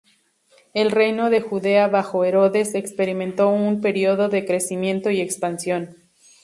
El reino de Judea bajo Herodes experimentó un período de crecimiento y expansión.